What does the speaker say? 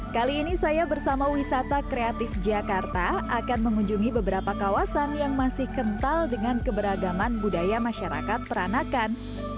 kali ini saya bersama wisata kreatif jakarta akan mengunjungi beberapa kawasan yang masih kental dengan keberagaman budaya masyarakat peranakan